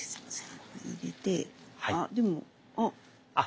あでもあっ！